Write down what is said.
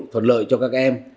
thuận lợi cho các em